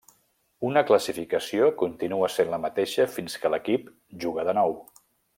Una classificació continua sent la mateixa fins que l'equip juga de nou.